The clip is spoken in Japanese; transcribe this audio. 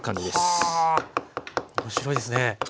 はあ面白いですね。